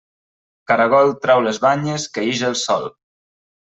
Caragol trau les banyes que ix el sol.